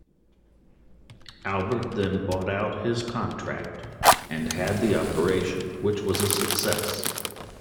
Albert then bought out his contract and had the operation, which was a success.